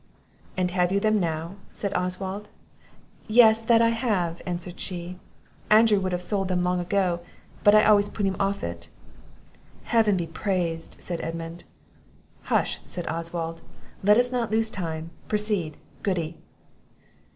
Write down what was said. '" "And have you them now?" said Oswald. "Yes, that I have," answered she; "Andrew would have sold them long ago, but I always put him off it." "Heaven be praised!" said Edmund. "Hush," said Oswald, "let us not lose time; proceed, Goody!"